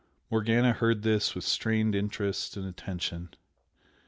Morgana heard this with strained interest and attention.